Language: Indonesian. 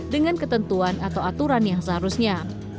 dengan ketentuan atau aturan yang seharusnya